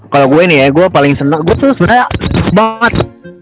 kalo gue nih ya gue paling seneng gue tuh sebenernya sus banget